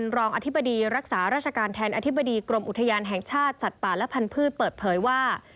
รองอธิบดีรักษาราชการแทนอธิบดีกรมอุทยานแห่งชาติสัตว์ป่าและพันธุ์เปิดเผยว่า